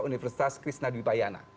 universitas krishna dwi payana